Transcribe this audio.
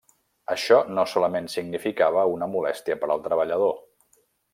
Això no solament significava una molèstia per al treballador.